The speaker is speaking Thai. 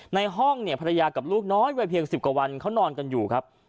ในห้องเนี่ยภรรยากับลูกน้อยวัยเพียง๑๐กว่าวันเขานอนกันอยู่ครับ